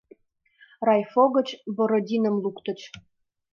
Райфо гыч Бородиным луктыч.